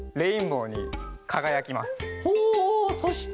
ほうほうそして。